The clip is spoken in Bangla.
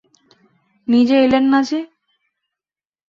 নিজে এলেন না যে?